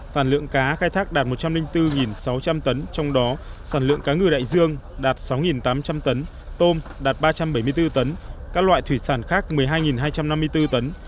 sản lượng cá khai thác đạt một trăm linh bốn sáu trăm linh tấn trong đó sản lượng cá ngừ đại dương đạt sáu tám trăm linh tấn tôm đạt ba trăm bảy mươi bốn tấn các loại thủy sản khác một mươi hai hai trăm năm mươi bốn tấn